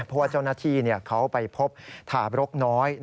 เพราะว่าเจ้าหน้าที่เขาไปพบทาบรกน้อย